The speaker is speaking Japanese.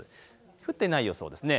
降っていない予想ですね。